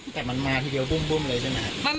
แต่มันมาทีเดียวบุ้มเลยใช่ไหมครับ